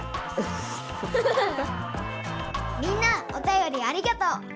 みんなおたよりありがとう！